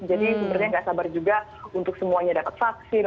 jadi sebenarnya nggak sabar juga untuk semuanya dapat vaksin